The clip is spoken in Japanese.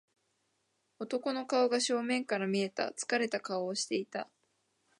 男の顔が正面から見えた。疲れた顔をしていた。